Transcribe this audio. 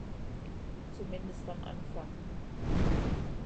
Zumindest am Anfang.